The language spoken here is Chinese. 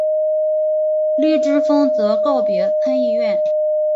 绿之风则告别参议院。